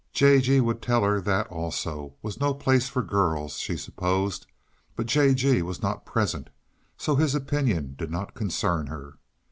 J. G. would tell her that, also, was no place for girls, she supposed, but J. G. was not present, so his opinion did not concern her.